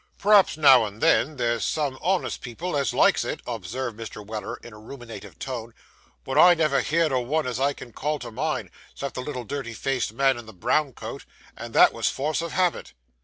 'P'raps, now and then, there's some honest people as likes it,' observed Mr. Weller, in a ruminative tone, 'but I never heerd o' one as I can call to mind, 'cept the little dirty faced man in the brown coat; and that was force of habit.